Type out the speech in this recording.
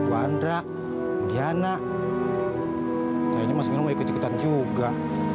bu andra dianna sayangnya mas milo mau ikut kita juga